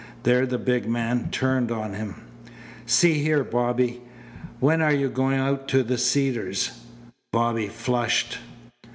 There the big man turned on him. "See here, Bobby! When are you going out to the Cedars?" Bobby flushed.